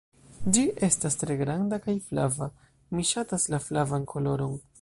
"Ĝi estas tre granda kaj flava. Mi ŝatas la flavan koloron."